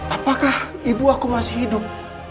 apakah ibu aku masih hidup